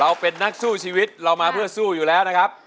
เป็นนักสู้ชีวิตเรามาเพื่อสู้อยู่แล้วนะครับ